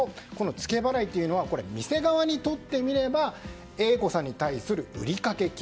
ツケ払いというのは店側にとってみればＡ子さんに対する売掛金。